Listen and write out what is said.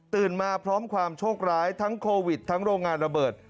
มาพร้อมความโชคร้ายทั้งโควิดทั้งโรงงานระเบิด